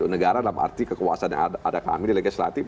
negara dalam arti kekuasaan yang ada kami di legislatif